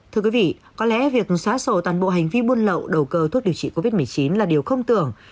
thưa quý vị có lẽ việc xóa sổ toàn bộ hành vi buôn lậu đầu cơ thuốc điều trị covid một mươi chín là điều không tưởng